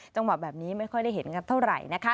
จังหวะแบบนี้ไม่ค่อยได้เห็นกันเท่าไหร่นะคะ